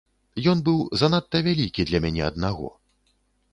Ён быў занадта вялікі для мяне аднаго.